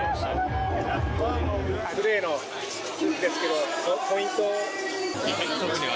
グレーのスーツですけど、ポイントは？